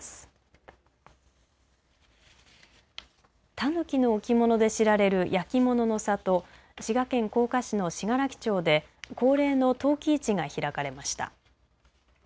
たぬきの置物で知られる焼き物の里、滋賀県甲賀市の信楽町で恒例の陶器市が開かれました。